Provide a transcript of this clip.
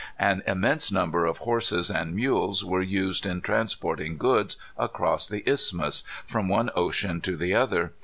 An immense number of horses and mules were used in transporting goods across the isthmus, from one ocean to the other.